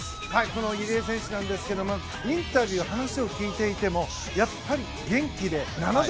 この入江選手なんですがインタビューで話を聞いていてもやっぱり、元気で。